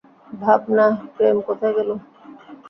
ভাবনা, প্রেম কোথায় গেলো?